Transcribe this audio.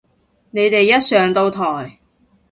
你哋一上到台